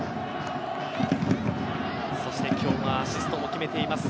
そして、今日はアシストも決めています